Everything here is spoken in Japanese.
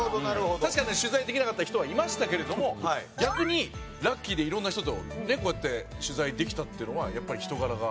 確かに取材できなかった人はいましたけれども逆にラッキーでいろんな人とこうやって取材できたっていうのはやっぱり人柄が。